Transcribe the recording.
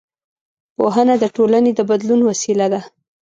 پوهنه د ټولنې د بدلون وسیله ده